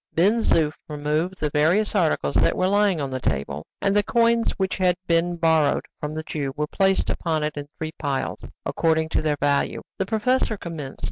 Ben Zoof removed the various articles that were lying on the table, and the coins which had just been borrowed from the Jew were placed upon it in three piles, according to their value. The professor commenced.